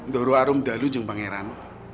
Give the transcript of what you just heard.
doro arung dalu jeng pangeran